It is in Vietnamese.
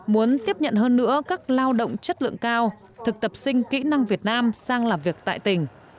muốn tiếp nhận hơn nữa các lao động chất lượng cao thực tập sinh kỹ năng việt nam sang làm việc tại tỉnh